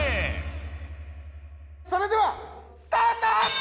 それではスタート！